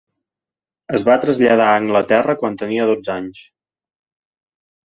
Es va traslladar a Anglaterra quan tenia dotze anys.